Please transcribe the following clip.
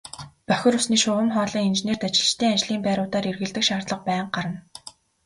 Бохир усны шугам хоолойн инженерт ажилчдын ажлын байруудаар эргэлдэх шаардлага байнга гарна.